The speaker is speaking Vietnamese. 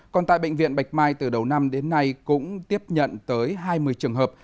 còn tại bệnh viện bạch mai từ đầu năm đến nay cũng tiếp nhận tới hai mươi trường hợp